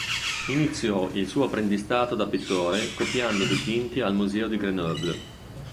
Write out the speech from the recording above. Iniziò il suo apprendistato da pittore copiando dipinti al Museo di Grenoble.